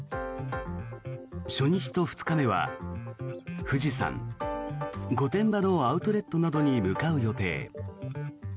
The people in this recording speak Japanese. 初日と２日目は富士山御殿場のアウトレットなどに向かう予定。